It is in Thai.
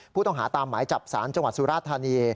ผู้ต้องหาตามหมายจับสารจังหวัดสุราธานี